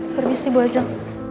harus disibuah jom